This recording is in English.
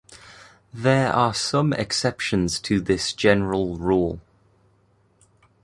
There are some exceptions to this general rule.